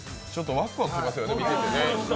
ワクワクしましたよね、見ててね。